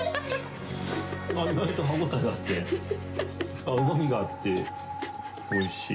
意外と歯応えがあって、うまみがあって、おいしい。